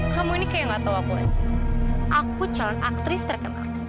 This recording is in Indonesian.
kamu ini kayak gak tau aku aja aku calon aktris terkenal